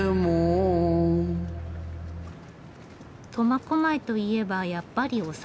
苫小牧といえばやっぱりお魚。